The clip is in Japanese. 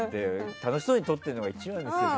楽しそうに撮ってるのが一番ですよって